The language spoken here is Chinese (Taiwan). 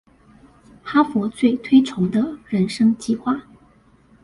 哈佛最推崇的人生計畫